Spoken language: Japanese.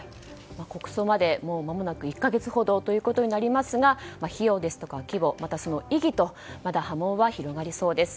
国葬まで、もうまもなく１か月程となりますが費用ですとか規模またその意義と、波紋は広がりそうです。